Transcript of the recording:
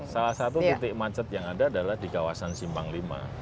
salah satu titik macet yang ada adalah di kawasan simpang v